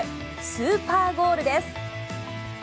スーパーゴールです。